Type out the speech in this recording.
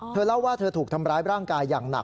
เล่าว่าเธอถูกทำร้ายร่างกายอย่างหนัก